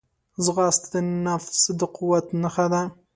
ځغاسته د نفس د قوت نښه ده